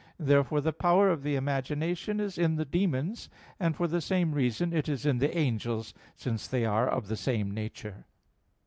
Therefore the power of the imagination is in the demons; and for the same reason it is in the angels, since they are of the same nature.